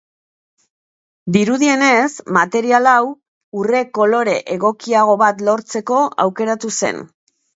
Dirudienez, material hau, urre kolore egokiago bat lortzeko aukeratu zen.